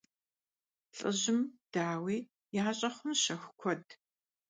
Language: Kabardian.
Лӏыжьым, дауи, ящӀэ хъунщ щэху куэд!